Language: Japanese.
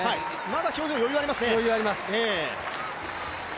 まだ表情、余裕ありますね。